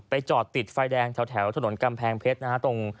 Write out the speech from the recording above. ไปจอดติดไฟแดงแถวถนนกำแพงเผ็ดตรง